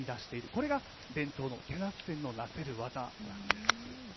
これが伝統の手捺染のなせる技なんです。